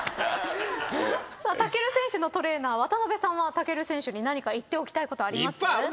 武尊選手のトレーナー渡辺さんは武尊選手に何か言っておきたいことあります？